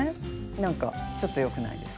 なんかちょっとよくないですか？